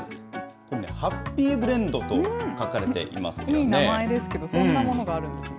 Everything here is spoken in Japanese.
これね、ハッピーブレンドと書かれていますよね。